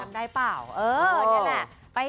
ใช่